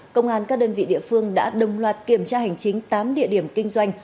công an các đơn vị địa phương đã đồng loạt kiểm tra hành chính tám địa điểm kinh doanh